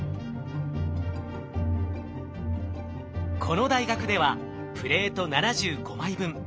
この大学ではプレート７５枚分。